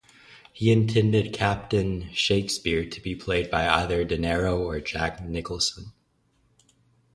He intended Captain Shakespeare to be played by either De Niro or Jack Nicholson.